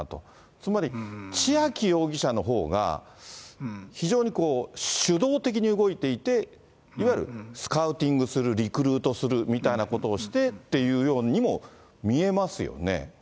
つまり、千秋容疑者のほうが、非常にこう、主導的に動いていて、いわゆるスカウティングする、リクルートするみたいなことをしてっていうようにも見えますよね。